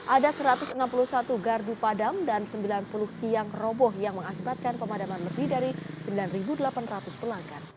ada satu ratus enam puluh satu gardu padam dan sembilan puluh tiang roboh yang mengakibatkan pemadaman lebih dari sembilan delapan ratus pelanggan